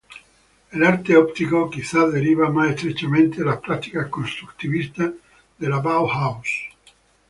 El arte óptico quizás deriva más estrechamente de las prácticas constructivistas de la Bauhaus.